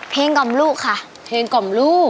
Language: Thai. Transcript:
เพลงกล่อมลูกครับ